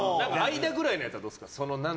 間ぐらいのやつはどうですか。